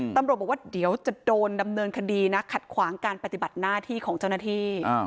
ตำรวจบอกว่าเดี๋ยวจะโดนดำเนินคดีนะขัดขวางการปฏิบัติหน้าที่ของเจ้าหน้าที่